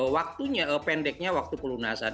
waktunya pendeknya waktu pelunasan